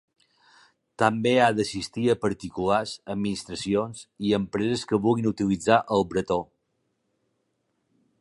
També ha d'assistir a particulars, administracions i empreses que vulguin utilitzar el bretó.